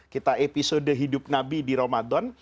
kita episode hidup nabi di ramadan